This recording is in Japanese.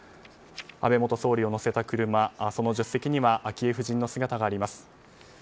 安倍元総理を乗せた車その助手席には昭恵夫人の姿があります。